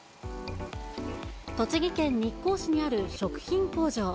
栃木県日光市にある食品工場。